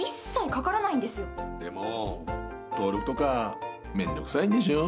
でも登録とか面倒くさいんでしょう？